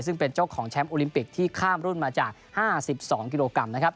ซึ่งเป็นเจ้าของแชมป์โอลิมปิกที่ข้ามรุ่นมาจาก๕๒กิโลกรัมนะครับ